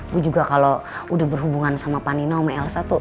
gue juga kalau udah berhubungan sama panino sama elsa tuh